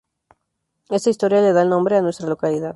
Esta historia, le da el nombre a nuestra localidad.